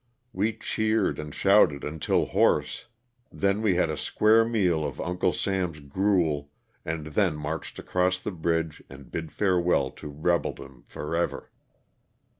We cheered and shouted until hoarse, then we had a square meal LOSS OF THE SULTANA. 305 of '* Uncle Sam's" gruel and then marched across the bridge and bid farewell to rebeldom forever.